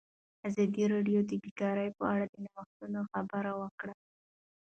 ازادي راډیو د بیکاري په اړه د نوښتونو خبر ورکړی.